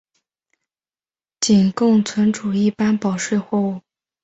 仅供存储一般保税货物。